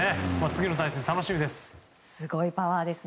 次の対戦が楽しみです。